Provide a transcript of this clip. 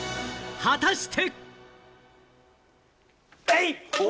果たして？